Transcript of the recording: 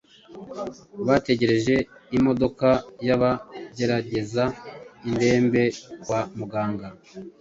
bategereje imodoka yabagereza indembe kwa muganga